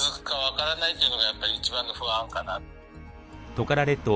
トカラ列島